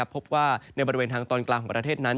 พบว่าในบริเวณทางตอนกลางของประเทศนั้น